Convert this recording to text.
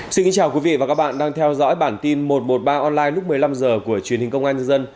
xin kính chào quý vị và các bạn đang theo dõi bản tin một trăm một mươi ba online lúc một mươi năm h của truyền hình công an nhân dân